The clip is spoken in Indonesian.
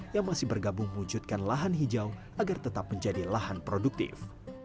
yang masih bergabung mewujudkan lahan hijau agar tetap menjadi lahan produktif